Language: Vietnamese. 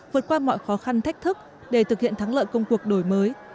vượt qua mọi khó khăn thách thức để thực hiện thắng lợi công cuộc đổi mới